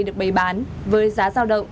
được bày bán với giá giao động